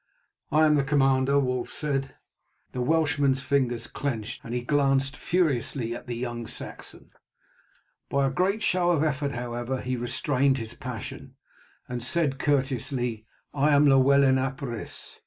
"I am the commander," Wulf said. The Welshman's fingers clenched, and he glanced furiously at the young Saxon. By a great effort, however, he restrained his passion, and said courteously: "I am Llewellyn ap Rhys.